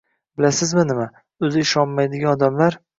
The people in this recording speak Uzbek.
Bilasizmi nima, o‘zi ishonmaydigan odamlar